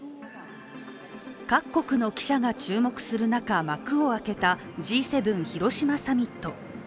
各国の記者が注目する中、幕を開けたＧ７広島サミット。